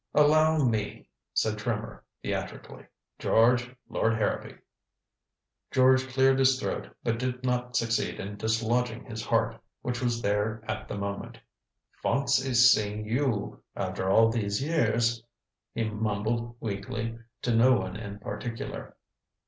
"Allow me," said Trimmer theatrically. "George, Lord Harrowby." George cleared his throat, but did not succeed in dislodging his heart, which was there at the moment. "Fawncy seeing you after all these years," he mumbled weakly, to no one in particular.